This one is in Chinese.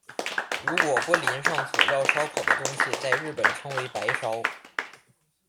如果不淋上佐料烧烤的东西在日本称为白烧。